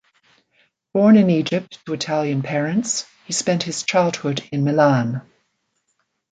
Born in Egypt to Italian parents, he spent his childhood in Milan.